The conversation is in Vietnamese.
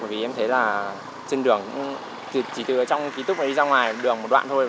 bởi vì em thấy là trên đường chỉ từ trong ký túc này đi ra ngoài đường một đoạn thôi